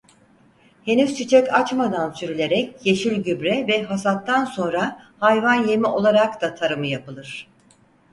Henüz çiçek açmadan sürülerek yeşil gübre ve hasattan sonra hayvan yemi olarak da tarımı yapılır.